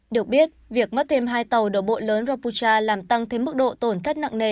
được biết việc mất thêm hai tàu đổ bộ lớn rapucha làm tăng thêm mức độ tổn thất nặng nề